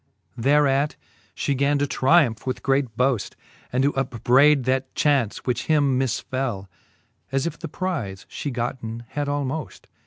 X. Thereat (he gan to triumph with great boaft, And to upbrayd that? chaunce, which him misfell. As if the prize fhe gotten had almoft.